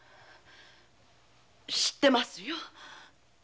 知ってますよ。